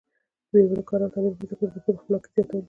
د میرمنو کار او تعلیم مهم دی ځکه چې ښځو خپلواکۍ زیاتولو سبب دی.